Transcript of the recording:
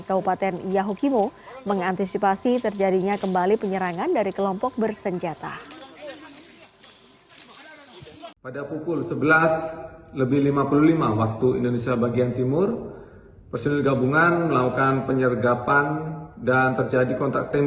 kabupaten yahukimo mengantisipasi terjadinya kembali penyerangan dari kelompok bersenjata